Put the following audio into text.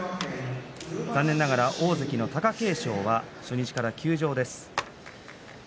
残念ながら大関貴景勝は初日から休場です。